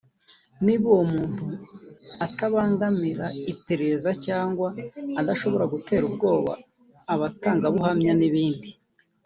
niba uwo muntu atabangamira iperereza cyangwa adashobora gutera ubwoba abatangabuhamya n’ibindi